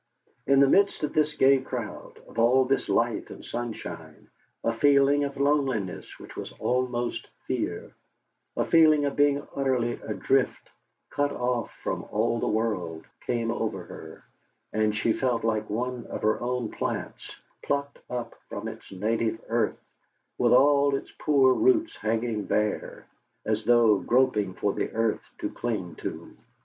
In the midst of this gay crowd, of all this life and sunshine, a feeling of loneliness which was almost fear a feeling of being utterly adrift, cut off from all the world came over her; and she felt like one of her own plants, plucked up from its native earth, with all its poor roots hanging bare, as though groping for the earth to cling to.